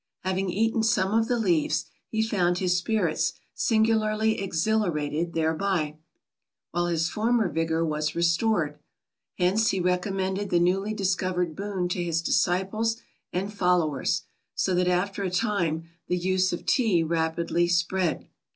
Having eaten some of the leaves, he found his spirits singularly exhilarated thereby; while his former vigour was restored. Hence he recommended the newly discovered boon to his disciples and followers, so that after a time the use of Tea rapidly spread.